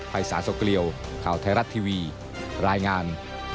ภายศาสตร์สกเรียวข่าวไทยรัฐทีวีรายงาน